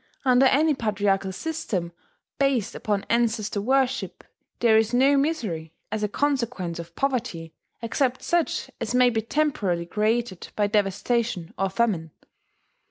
Under any patriarchal system, based upon ancestor worship, there is no misery, as a consequence of poverty, except such as may be temporarily created by devastation or famine.